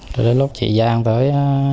rồi đến lúc chị giang tới